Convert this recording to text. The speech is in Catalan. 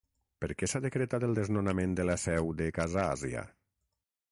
Per què s'ha decretat el desnonament de la seu de Casa Àsia?